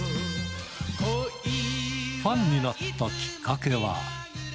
ファンになったきっかけは。